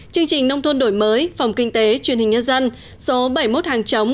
chương trình nông thôn đổi mới phòng kinh tế truyền hình nhân dân số bảy mươi một hàng chống